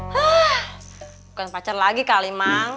hah bukan pacar lagi kali